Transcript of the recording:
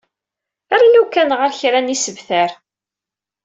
Rnu kan ɣer kra n yisebtar.